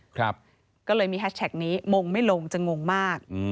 ก็เลยมีแฮชแท็กนี้มงไม่ลงจะงงมาก